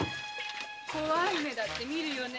怖い目だって見るわよね。